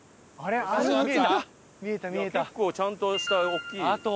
結構ちゃんとした大きい。